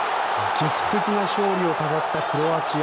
劇的な勝利を飾ったクロアチア。